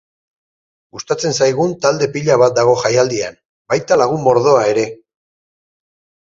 Gustatzen zaigun talde pila bat dago jaialdian, baita lagun mordoa ere!